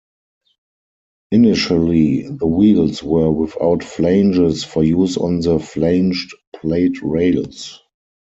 Initially the wheels were without flanges for use on the flanged plate rails.